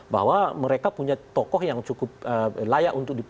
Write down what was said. bahwa mereka punya tokoh yang cukup layak untuk dipilih